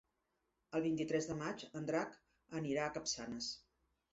El vint-i-tres de maig en Drac anirà a Capçanes.